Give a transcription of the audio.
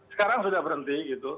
sekarang sudah berhenti gitu